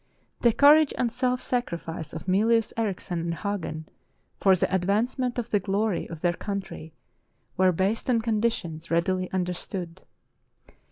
The courage and self sacrifice of Mylius Erichsen and Hagen for the advancement of the glory of their country were based on conditions readily understood.